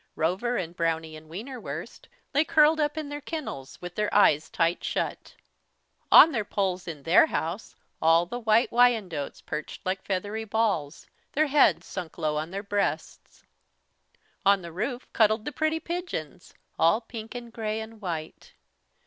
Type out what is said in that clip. Rover and Brownie and Wienerwurst lay curled up in their kennels, with their eyes tight shut. On their poles in their house all the White Wyandottes perched like feathery balls, their heads sunk low on their breasts. On the roof cuddled the pretty pigeons, all pink and grey and white.